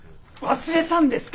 忘れたんですか？